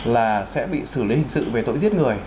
là sẽ bị xử lý hình sự về tội giết người